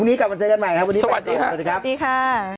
ไปดีกว่าคุณผู้ชมค่ะ